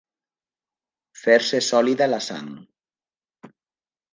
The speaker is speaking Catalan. Fer-se sòlida la sang.